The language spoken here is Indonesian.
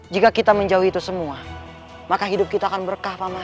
jika kita menjauhi itu semua maka hidup kita akan berkah